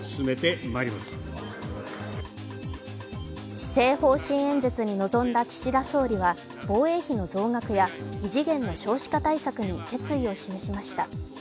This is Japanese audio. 施政方針演説に臨んだ岸田総理は異次元の少子化対策に決意を示しました。